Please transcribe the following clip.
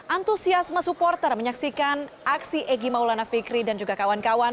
antusiasme supporter menyaksikan aksi egy maulana fikri dan juga kawan kawan